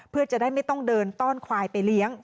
เพื่อจะได้ไม่ต้องเดินต้อนควายไปเลี้ยง